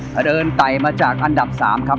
กะแนนไตมาจากอันดับ๓ครับ